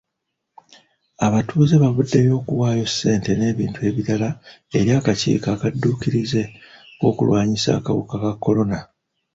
Abatuuze bavuddeyo okuwayo ssente n'ebintu ebirala eri akakiiko akadduukirize k'okulwanyisa akawuka ka kolona.